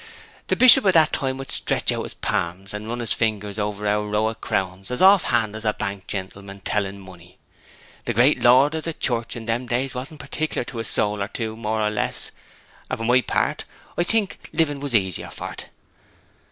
The Bishop o' that time would stretch out his palms and run his fingers over our row of crowns as off hand as a bank gentleman telling money. The great lords of the Church in them days wasn't particular to a soul or two more or less; and, for my part, I think living was easier for 't.'